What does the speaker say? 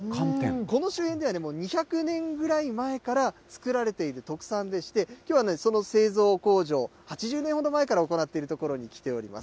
この周辺では２００年ぐらい前から作られている特産でして、きょうはその製造工場、８０年ほど前から行っている所に来ております。